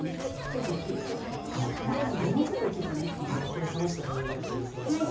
これ冷ました卵焼きも２ｃｍ角。